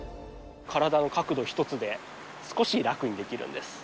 体の角度一つで少し楽にできるんです。